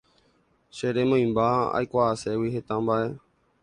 che remoimba aikuaaségui heta mba'e